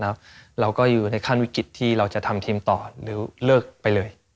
แล้วเราก็อยู่ในขั้นวิกฤตที่เราจะทำทีมต่อหรือเลิกไปเลย